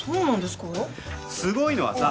すごいのはさ